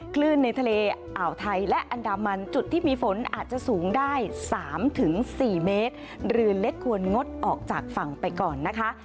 คลื่นในทะเลอ่าวไทยและอันดามันจุดที่มีฝนอาจจะสูงได้๓๔เมตรเรือเล็กควรงดออกจากฝั่งไปก่อนนะคะ